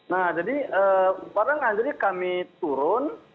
nah jadi padahal kan jadi kami turun